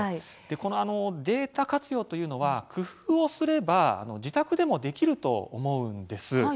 このデータ活用というのは工夫をすれば自宅でもできると思うんです。